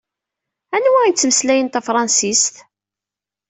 Anwa ittmeslayen tafṛansist?